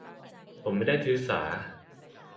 ผมไม่ได้ถือสา